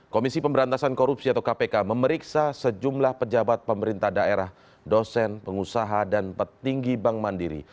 komisi pemberantasan korupsi atau kpk memeriksa sejumlah pejabat pemerintah daerah dosen pengusaha dan petinggi bank mandiri